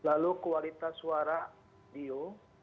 lalu kualitas suara bio